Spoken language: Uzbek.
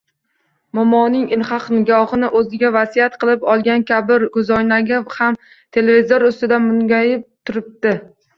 Momoning ilhaq nigohini oʻziga vasiyat qilib olgan kabi koʻzoynagi ham televizor ustida mungʻayib turibdi.